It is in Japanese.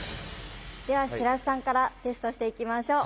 では白洲さんからテストしていきましょう。